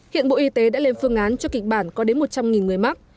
hiện bộ y tế đã lên phương án cho kịch bản có đến một trăm linh người mắc